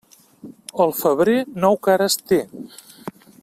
El febrer, nou cares té.